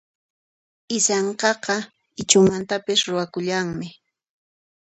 Isankaqa Ichhumantapis ruwakullanmi.